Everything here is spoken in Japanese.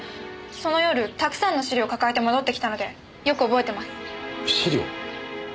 その夜たくさんの資料を抱えて戻ってきたのでよく覚えてます。